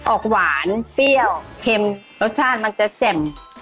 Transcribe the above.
ออกหวานเปรี้ยวเค็มรสชาติมันจะแจ่ม